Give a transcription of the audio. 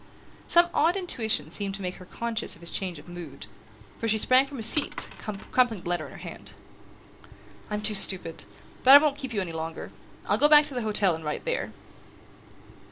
Some odd intuition seemed to make her conscious of his change of mood, for she sprang from her seat, crumpling the letter in her hand. "I'm too stupid; but I won't keep you any longer. I'll go back to the hotel and write there."